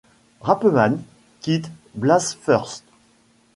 Rapeman quitte Blast First!